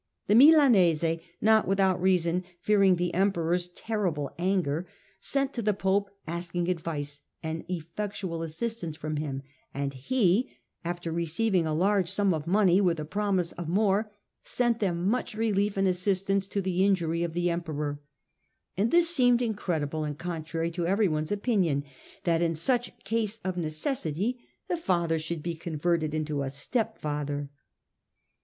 The Milanese, not without reason fearing the Emperor's terrible anger, sent to the Pope asking advice and effectual assistance from him ; and he, after receiving a large sum of money with a promise of more, sent them much relief and assistance, to the injury of the Emperor : and this seemed incredible and contrary to everyone's opinion, that in such case of necessity the father should be converted into a step father."